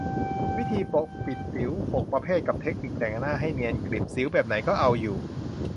วิธีปกปิดสิว หก ประเภทกับเทคนิคแต่งหน้าให้เนียนกริบ สิวแบบไหนก็เอาอยู่